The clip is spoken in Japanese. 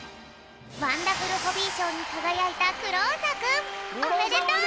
ワンダフルホビーしょうにかがやいたクローサくんおめでとう！